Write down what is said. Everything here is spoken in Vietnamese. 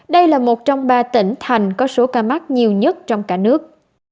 đây là một trong ba tỉnh thành có số ca mắc nhiều nhất trong cả nước